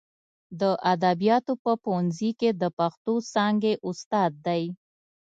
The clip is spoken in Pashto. د ادبیاتو په پوهنځي کې د پښتو څانګې استاد دی.